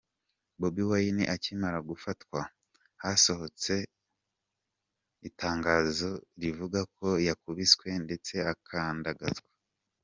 Bobi Wine akimara gufatwa, hasohotse itangazo rivuga ko ‘yakubiswe ndetse akandagazwa’.